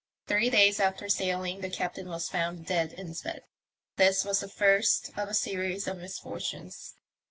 Three days after sailLug the captain was found dead in his bed. This was the first of a series of misfortunes.